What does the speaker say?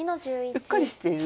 うっかりしている。